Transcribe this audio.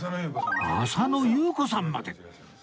浅野ゆう子さんまで！